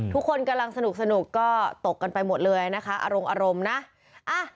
ทุกคนกำลังสนุกก็ตกกันไปหมดเลยนะคะอารมณ์อารมณ์นะ